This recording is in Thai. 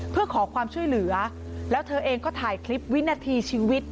เพื่อขอความช่วยเหลือแล้วเธอเองก็ถ่ายคลิปวินาทีชีวิต